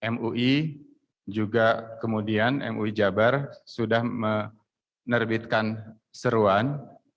mui juga kemudian mui jabar sudah menerbitkan seruan